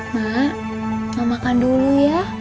mak mau makan dulu ya